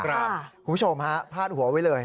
คุณผู้ชมฮะพาดหัวไว้เลย